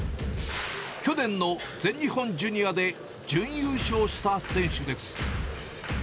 去年の全日本ジュニアで準優勝した選手です。